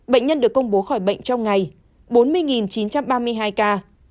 bệnh nhân được công bố khỏi bệnh trong ngày bốn mươi chín trăm ba mươi hai ca